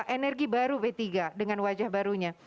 energi baru p tiga dengan wajah barunya